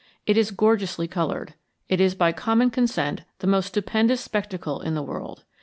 It is gorgeously colored. It is by common consent the most stupendous spectacle in the world.